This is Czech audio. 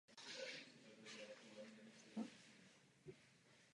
Je také producentem charitativní písně "We Are the World".